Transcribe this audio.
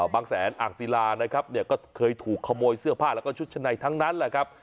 บางแสนอ่างศิลานะครับเนี่ยก็เคยถูกขโมยเสื้อผ้าแล้วก็ชุดชะในทั้งนั้นแหละครับ